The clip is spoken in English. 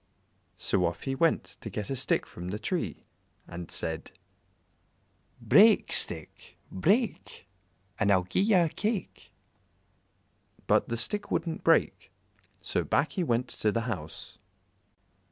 So off he went to get a stick from the tree, and said "Break, stick, break, And I'll gi'e ye a cake." But the stick wouldn't break, so back he went to the house.